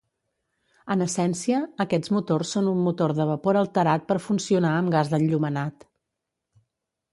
En essència, aquests motors són un motor de vapor alterat per funcionar amb gas d'enllumenat.